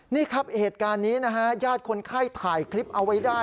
นี่ครับเหตุการณ์นี้นะฮะญาติคนไข้ถ่ายคลิปเอาไว้ได้